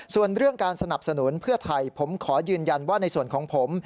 ส่วนเรื่องการสนับสนุนเพื่อไทยผมขอยืนยันว่าในส่วนของผม